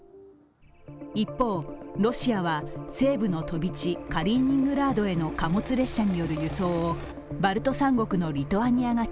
一方、ロシアは西部の飛び地、カリーニングラードへの貨物列車による輸送をバルト３国のリトアニアが